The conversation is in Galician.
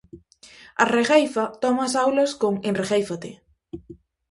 A regueifa toma as aulas con Enreguéifate.